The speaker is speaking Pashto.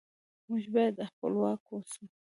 موږ باید خپلواک اوسو.